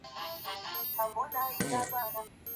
Wanze kuji shikiria buluma wemoya kwa